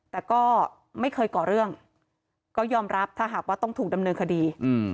แต่ก็ไม่เคยก่อเรื่องก็ยอมรับถ้าหากว่าต้องถูกดำเนินคดี